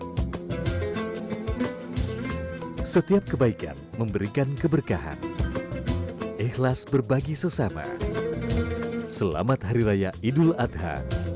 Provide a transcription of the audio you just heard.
hai setiap kebaikan memberikan keberkahan ikhlas berbagi sesama selamat hari raya idul adha